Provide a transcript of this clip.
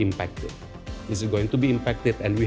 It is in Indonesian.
adalah penghasilan keamanan dan uang